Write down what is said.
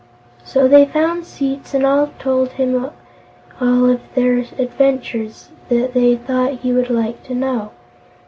So they found seats and told him all of their adventures that they thought he would like to know.